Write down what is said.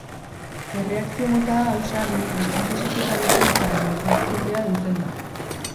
Erreakzio mota hau, sarri, deskonposaketa bikoitza edo elkartrukea deitzen da.